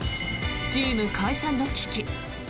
チーム解散の危機。